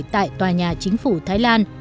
tại tòa nhà chính phủ thái lan